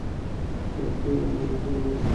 আমি আপনাকে ঠিকানা মেসেজ করে দিয়েছি।